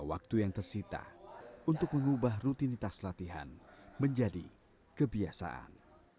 waktu yang tersita untuk mengubah rutinitas latihan menjadi kebiasaan